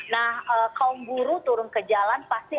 nah kaum buru turun ke jalan pasti